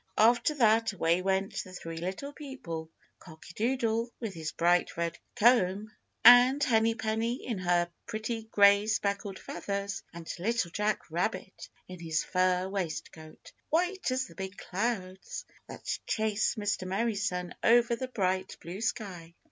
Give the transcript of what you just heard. After that away went the three little people, Cocky Doodle, with his bright red comb, and Henny Penny in her pretty gray speckled feathers, and Little Jack Rabbit, in his fur waistcoat, white as the big clouds that chased Mr. Merry Sun over the bright blue sky.